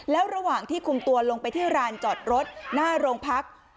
แล้วระหว่างที่คุมตัวลงไปที่ร้านจอดรถหน้าโรงพัก